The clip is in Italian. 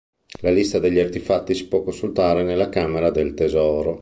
La lista degli artefatti si può consultare nella camera del tesoro.